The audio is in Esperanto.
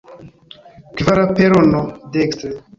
Kvara perono, dekstre.